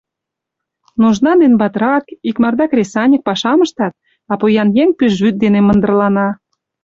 Нужна ден батрак, икмарда кресаньык пашам ыштат, а поян еҥ пӱжвӱд дене мындырлана.